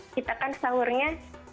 kita kan sahurnya